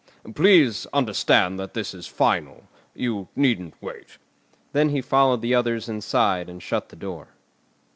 Please understand that this is final. You needn't wait." Then he followed the others inside and shut the door.